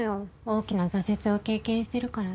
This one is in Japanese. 大きな挫折を経験してるからね。